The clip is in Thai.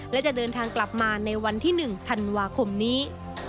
และจะเดินทางกลับมาในวันที่๑ธันวาคมนี้